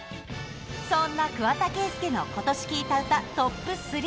そんな桑田佳祐のことし聴いた歌トップ３。